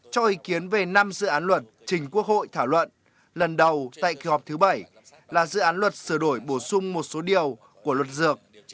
cho ý kiến về năm dự án luật trình quốc hội thảo luận lần đầu tại kỳ họp thứ bảy là dự án luật sửa đổi bổ sung một số điều của luật dược